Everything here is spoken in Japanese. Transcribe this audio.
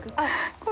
これ。